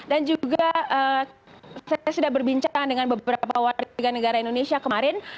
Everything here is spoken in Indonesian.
dan juga saya sudah berbincang dengan beberapa warga negara indonesia kemarin